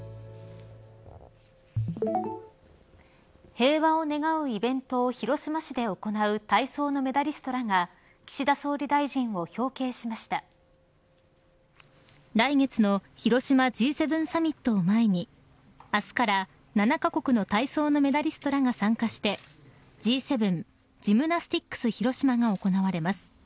平和を願うイベントを広島市で行う体操のメダリストらが岸田総理大臣を表敬しました来月の広島Ｇ７サミットを前に明日から７か国の体操のメダリストらが参加してＧ７ジムナスティックス広島が行われます。